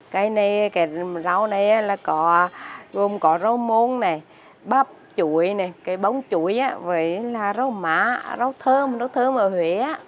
cái này cái rau này là gồm có rau môn bắp chuỗi bóng chuỗi rau má rau thơm rau thơm ở huế